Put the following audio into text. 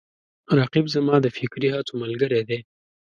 رقیب زما د فکري هڅو ملګری دی